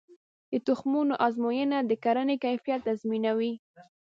د تخمونو ازموینه د کرنې کیفیت تضمینوي.